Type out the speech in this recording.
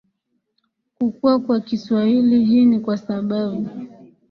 kukua kwa kiswahili Hii ni kwa sababu